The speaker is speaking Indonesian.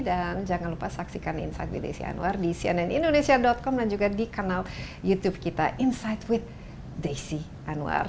dan jangan lupa saksikan insight with desi anwar di cnn indonesia com dan juga di kanal youtube kita insight with desi anwar